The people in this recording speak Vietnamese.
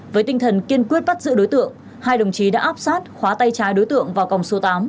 với tinh thần kiên quyết bắt giữ đối tượng hai đồng chí đã áp sát khóa tay trái đối tượng vào còng số tám